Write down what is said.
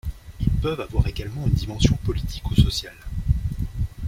Ils peuvent avoir également une dimension politique ou sociale.